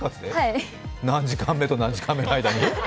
何時間目と何時間目の間に？